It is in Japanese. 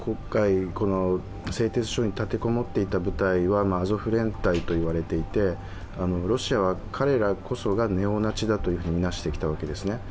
製鉄所に立てこもっていた部隊はアゾフ連隊と言われていてロシアは彼らこそがネオナチだとみなしてきたわけですね。